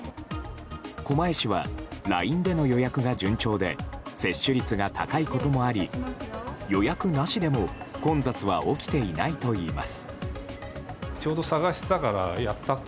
狛江市はＬＩＮＥでの予約が順調で接種率が高いこともあり予約なしでも混雑は起きていないといいます。